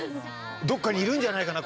どっかにいるんじゃないかな